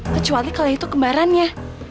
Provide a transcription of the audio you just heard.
kecuali kalau itu kembarannya